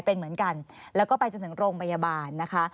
เป็นเหมือนกันแล้วก็ไปจนถึงโรงพยาบาลนะคะ